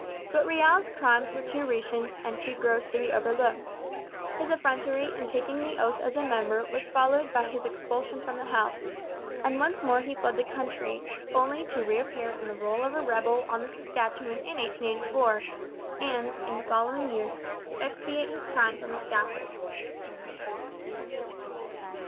But Riel's crimes were too recent and too gross to be overlooked. His effrontery in taking the oath as a member was followed by his expulsion from the House; and once more he fled the country, only to reappear in the rôle of a rebel on the Saskatchewan in 1884, and, in the following year, to expiate his crimes on the scaffold.